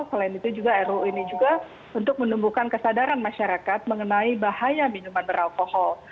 selain itu juga ruu ini juga untuk menumbuhkan kesadaran masyarakat mengenai bahaya minuman beralkohol